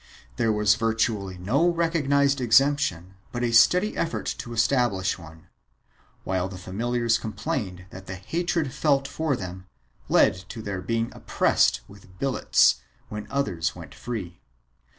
2 There was evidently no recog nized exemption but a steady effort to establish one, while the familiars complained that the hatred felt for them led to their being oppressed with billets when others went free.